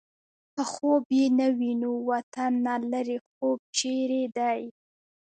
په خوب يې نه وینو وطن نه لرې خوب چېرې دی